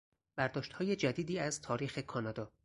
برداشتهای جدیدی از تاریخ کانادا